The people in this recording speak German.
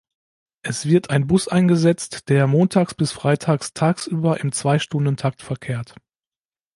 Es wird ein Bus eingesetzt, der montags bis freitags tagsüber im Zweistundentakt verkehrt.